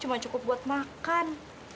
cuma cukup buat makan